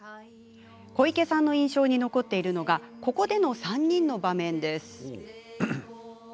小池さんの印象に残っているのがここでの３人の場面です。